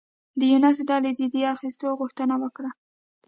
د یونس ډلې د دیه اخیستو غوښتنه وکړه.